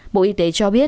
bộ y tế cho biết